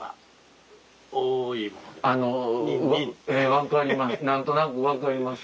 分かります。